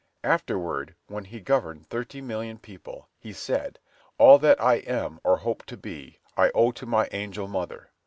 Afterward, when he governed thirty million people, he said, "All that I am or hope to be, I owe to my angel mother.